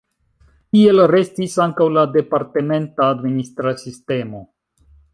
Tiel restis ankaŭ la departementa administra sistemo.